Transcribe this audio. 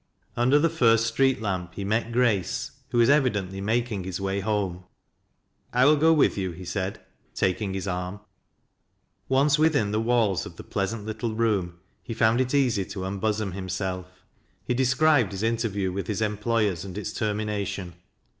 Tinder the first street amp he met Gr& i.^ who was ev' dently making his way home. " I wiU go with you," he said, taking his arm. Once within the walls of the pleasant iittk room, hi found it easy to unbosom himself. He desciiu^ b's inter view with his employers, and its termination.